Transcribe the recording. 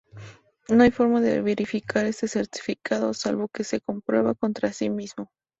No hay forma de verificar este certificado, salvo que se comprueba contra sí mismo.